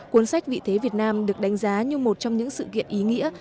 cuốn sách vị thế việt nam được đánh giá như một trong những sự kiện ý nghĩa